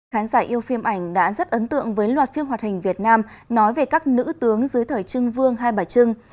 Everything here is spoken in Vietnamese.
khán giả yêu phim ảnh đã rất ấn tượng với loạt phim hoạt hình việt nam nói về các nữ tướng dưới thời trưng vương hai bà trưng